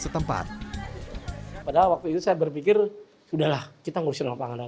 menurut pak ngai keberadaan sekolah multi kultural ini adalah kegiatan yang sangat penting untuk memiliki kekuatan yang baik